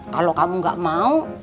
kalau kamu gak mau